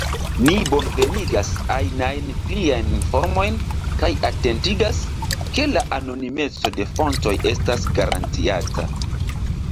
Ni bonvenigas ajnajn pliajn informojn kaj atentigas, ke la anonimeco de fontoj estas garantiata.